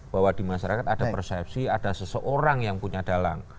bahwa di masyarakat ada persepsi ada seseorang yang punya dalang